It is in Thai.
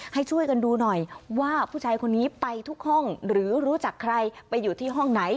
ให้ช่วยกันดูหน่อยว่าผู้ชายคนนี้ไปทุกห้องหรือรู้จักใครไปอยู่ที่ห้องไหน